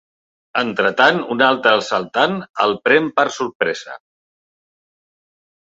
Entretant un altre assaltant el pren per sorpresa.